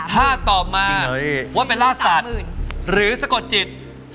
ถ้าตอบมาว่าไปล่าสัตว์หรือสะกดจิต